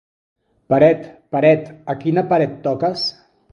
Peret, Peret, a quina paret toques?